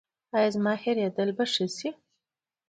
ایا زما هیریدل به ښه شي؟